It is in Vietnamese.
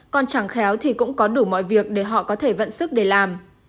còn chẳng khéo thì cũng có đủ mọi việc để họ có thể vận sức để làm